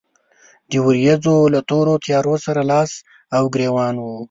د ورېځو له تورو تيارو سره لاس او ګرېوان و.